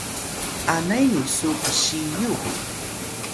anay misu ksiyux